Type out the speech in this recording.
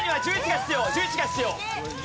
１１が必要。